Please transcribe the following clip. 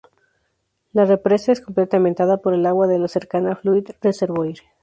La represa es complementada por el agua de la cercana Fluid Reservoir.